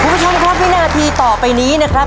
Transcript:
คุณผู้ชมข้อเฮ้ยหน้าทีต่อไปนี้นะครับ